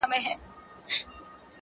o په خبرو کي خبري پيدا کيږي،